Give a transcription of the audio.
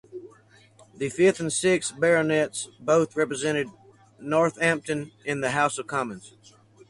The fifth and sixth Baronets both represented Northampton in the House of Commons.